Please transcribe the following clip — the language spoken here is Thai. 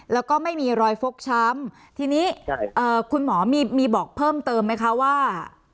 แล้วก็ไม่มีรอยฟกช้ำทีนี้คุณหมอมีบอกเพิ่มเติมไหมคะว่า